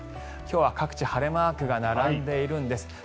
今日は各地晴れマークが並んでいるんです。